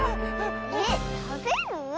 えったべる？